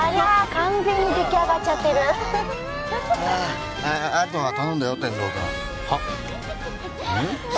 完全に出来上がっちゃってるあとは頼んだよ天堂君はっ？